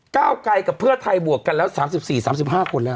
ก้าวไกลกับเพื่อไทยบวกกันแล้ว๓๔๓๕คนแล้ว